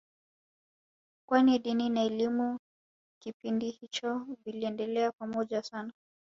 kwani dini na elimu kipindi hicho vilienda pamoja sana